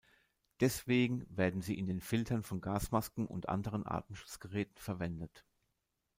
Deswegen werden sie in den Filtern von Gasmasken und anderen Atemschutzgeräten verwendet.